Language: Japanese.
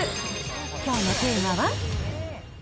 きょうのテーマは？